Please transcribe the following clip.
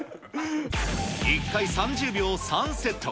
１回３０秒３セット。